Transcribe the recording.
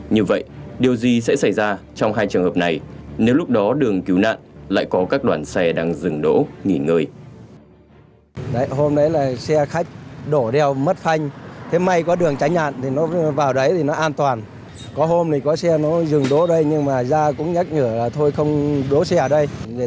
như vậy điều gì sẽ xảy ra trong hai trường hợp này nếu lúc đó đường cứu nạn lại có các đoàn xe đang dừng đỗ nghỉ ngơi